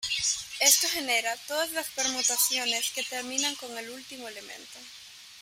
Esto genera todas las permutaciones que terminan con el último elemento.